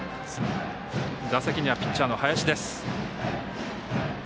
打席にはピッチャーの林です。